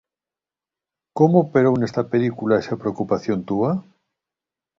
Como operou nesta película esa preocupación túa?